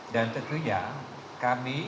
dan tentunya kami